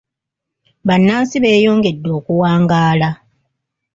Bannansi beeyongedde okuwangaala.